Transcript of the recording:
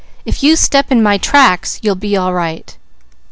"If you step in my tracks you'll be all right."